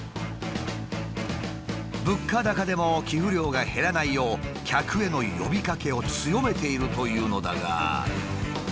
物価高でも寄付量が減らないよう客への呼びかけを強めているというのだが。